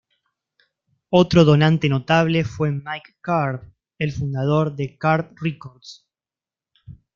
Otro donante notable fue Mike Curb, el fundador de Curb Records.